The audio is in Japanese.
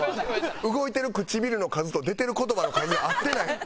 動いてる唇の数と出てる言葉の数が合ってないねん。